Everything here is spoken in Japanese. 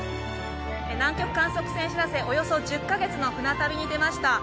南極観測船「しらせ」およそ１０か月の船旅に出ました。